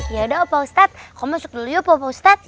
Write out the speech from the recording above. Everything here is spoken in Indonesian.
yaudah opa ustadz kau masuk dulu yuk opa ustadz